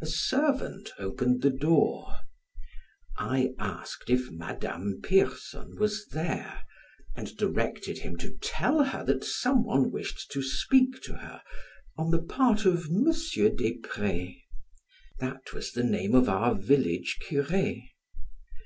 A servant opened the door. I asked if Madame Pierson was there and directed him to tell her that some one wished to speak to her on the part of M. Desprez. That was the name of our village cure.